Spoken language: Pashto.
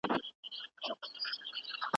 خپلې ټولني ته د پرمختګ نوې لارې ولټوئ.